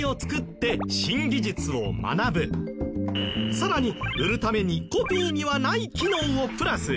さらに売るためにコピーにはない機能をプラス。